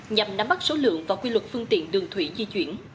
nhằm nắm bắt số lượng và quy luật phương tiện đường thủy di chuyển